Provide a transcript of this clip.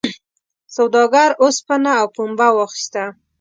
سوداګر اوسپنه او پنبه واخیسته.